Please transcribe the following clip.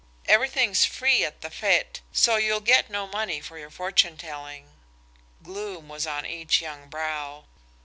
Everything's free at the fête, so you'll get no money for your fortune telling." Gloom was on each young brow.